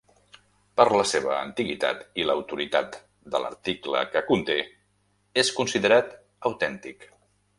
Per la seva antiguitat i l'autoritat de l'article que conté, és considerat autèntic.